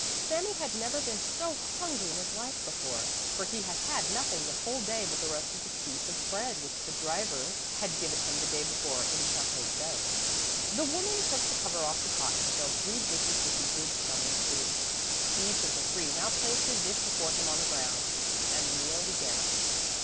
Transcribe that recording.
Sami had never been so hungry in his life before, for he had had nothing the whole day but the rest of the piece of bread which the driver had given him the day before in Château d'Æux. The woman took the cover off the pot and filled three dishes with the good smelling soup. Each of the three now placed his dish before him on the ground, and the meal began.